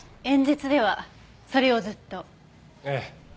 演説ではそれをずっと？ええ。